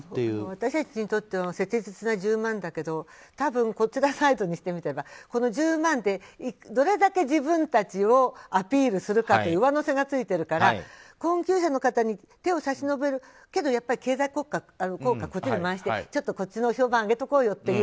私たちにとっては切実な１０万円だけど多分、こちらサイドにしてみたらこの１０万でどれだけ自分たちをアピールするかという上乗せがついてるから困窮者の方に手を差し伸べるけど経済効果に回してちょっとこっちの評判を上げておこうよっていう。